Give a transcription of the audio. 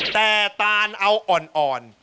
แต่ตานเอาอ่อน